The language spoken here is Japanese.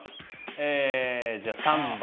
ええじゃあ３番。